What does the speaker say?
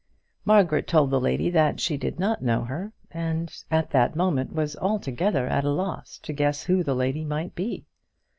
Margaret told the lady that she did not know her, and at that moment was altogether at a loss to guess who the lady might be.